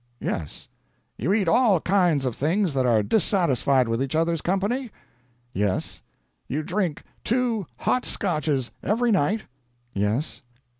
"Yes." "You eat all kinds of things that are dissatisfied with each other's company?" "Yes." "You drink two hot Scotches every night?" "Yes."